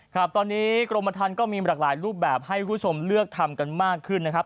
ครับตอนนี้กรมทันก็มีหลากหลายรูปแบบให้คุณผู้ชมเลือกทำกันมากขึ้นนะครับ